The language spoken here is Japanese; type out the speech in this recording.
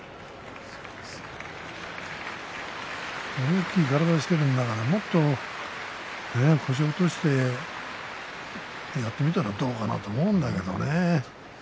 大きい体しているんだからもっと腰を落としてやってみたらどうかなと思うんだけどね